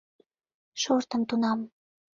Шортым тунам.